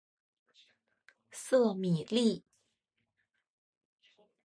瑟米利。